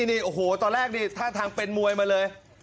นี่โอ้โหตอนแรกนี่ท่าทางเป็นมวยมาเลย